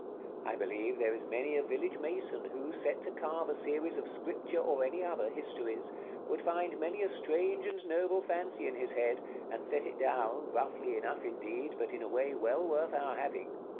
I believe there is many a village mason who, set to carve a series of Scripture or any other histories, would find many a strange and noble fancy in his head, and set it down, roughly enough indeed, but in a way well worth our having.